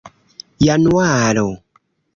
januaro